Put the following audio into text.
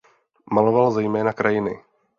Maloval zejména krajiny.